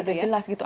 udah jelas gitu